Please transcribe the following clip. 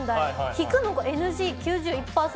引くのがＮＧ９１％。